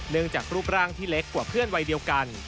จากรูปร่างที่เล็กกว่าเพื่อนวัยเดียวกัน